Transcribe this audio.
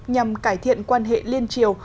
nhằm cải thiện quan hệ liên triều